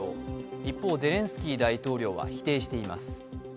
一方、ゼレンスキー大統領は否定しています。